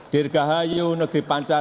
dirgahayu negeri pancasila